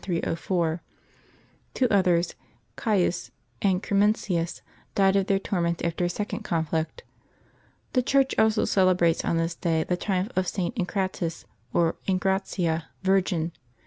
Two others, Gains and Crementius, died of their torments after a second conflict. The Church also celebrates on this day the triumph of St. Encratis, or Engratia, Virgin.